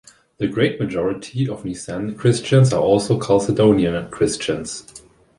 The great majority of Nicene Christians are also Chalcedonian Christians.